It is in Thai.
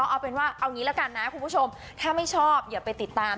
เอาเป็นว่าเอางี้ละกันนะคุณผู้ชมถ้าไม่ชอบอย่าไปติดตาม